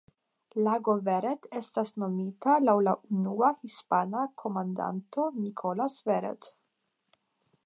Lago Verret estas nomita laŭ la unua hispana komandanto "Nicolas Verret".